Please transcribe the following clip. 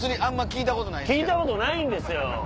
聞いたことないんですよ。